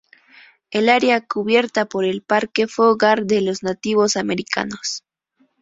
El área cubierta por el parque fue hogar de los nativos americanos.